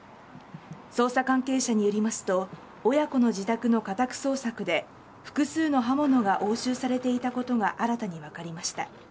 捜査関係者によりますと親子の自宅の家宅捜索で複数の刃物が押収されていたことが新たに分かりました。